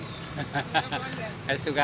kayaknya suka jadi susah makan